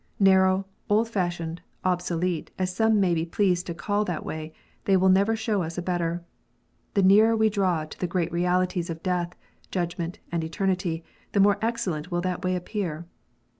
Narrow, old fashioned, obsolete, as some may be pleased to call that way, they will never show us a better. The nearer we draw to the great realities of death, judgment, and eternity, the more excellent will that way appear.